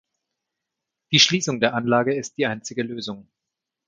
Die Schließung der Anlage ist die einzige Lösung.